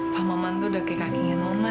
pak maman tuh udah kayak kakingin nona